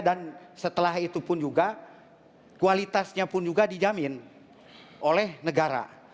dan setelah itu pun juga kualitasnya pun juga dijamin oleh negara